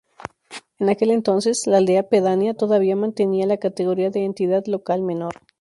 En aquel entonces, la aldea pedánea todavía mantenía la categoría de entidad local menor.